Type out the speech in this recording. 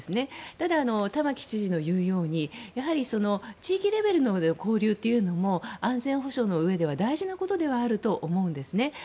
ただ、玉城知事の言うようにやはり地域レベルの交流というのも安全保障の上では大事なことではあると思うんです。